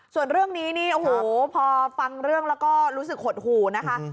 ส่วนเรื่องนี้นี่โอ้โหพอฟังเรื่องแล้วก็รู้สึกหดหูนะคะ